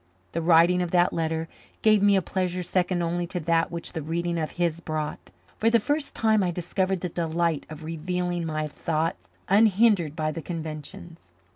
The writing of that letter gave me a pleasure second only to that which the reading of his brought. For the first time I discovered the delight of revealing my thought unhindered by the conventions.